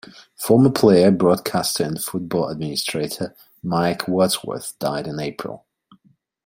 Former player, broadcaster and football administrator, Mike Wadsworth died in April.